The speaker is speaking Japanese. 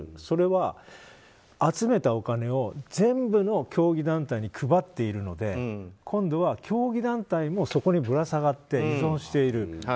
それは集めたお金を全部の競技団体に配っているので今度は競技団体もそこにぶら下がって依存している。